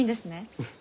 うん。